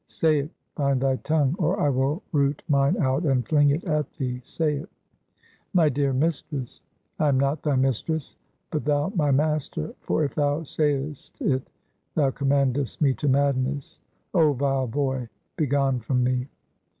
"Say it! find thy tongue! Or I will root mine out and fling it at thee! Say it!" "My dear mistress!" "I am not thy mistress! but thou my master; for, if thou sayest it, thou commandest me to madness. Oh, vile boy! Begone from me!"